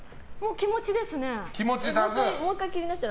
気持ちですね。